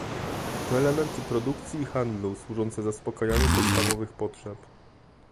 To elementy produkcji i handlu służące zaspokajaniu podstawowych potrzeb